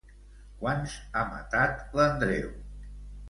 Quants ha matat l'Andreu?